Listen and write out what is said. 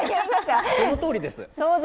そのとおりです。